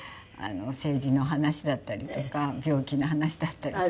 政治の話だったりとか病気の話だったりとか。